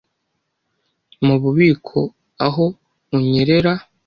mububiko aho unyerera